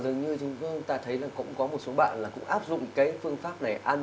dường như chúng ta thấy cũng có một số bạn cũng áp dụng phương pháp này ăn